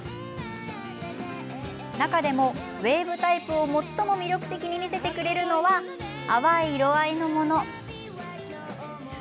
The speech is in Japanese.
中でも、ウエーブタイプを最も魅力的に見せてくれるのは淡い色合いのもの。